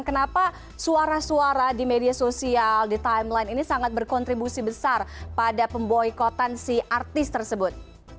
kenapa suara suara di media sosial di timeline ini sangat berkontribusi besar pada pemboikotan si artis tersebut